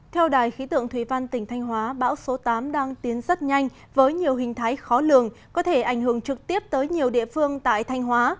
theo đài khí tượng thủy văn tỉnh thanh hóa bão số tám đang tiến rất nhanh với nhiều hình thái khó lường có thể ảnh hưởng trực tiếp tới nhiều địa phương tại thanh hóa